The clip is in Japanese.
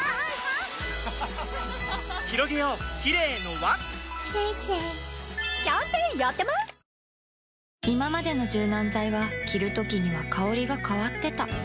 いままでの柔軟剤は着るときには香りが変わってた